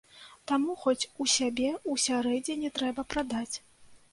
Таму хоць у сябе ўсярэдзіне трэба прадаць.